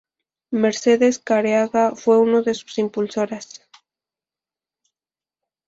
Mercedes Careaga fue una de sus impulsoras.